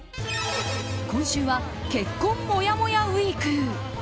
今週は結婚もやもやウィーク。